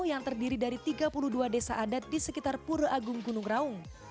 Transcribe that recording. yang terdiri dari tiga puluh dua desa adat di sekitar pura agung gunung raung